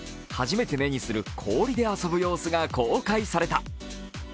初めて目にする氷で遊ぶ様子が公開された。